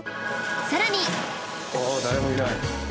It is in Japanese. さらに